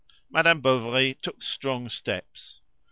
Madame Bovary took strong steps.